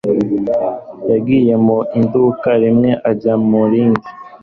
Yagiye mu iduka rimwe ajya mu rindi.